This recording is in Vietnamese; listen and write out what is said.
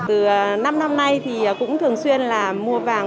từ năm năm nay thì cũng thường xuyên là mua vàng